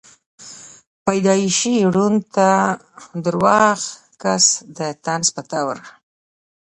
پېدائشي ړوند ته دَروغ کس ته دطنز پۀ طور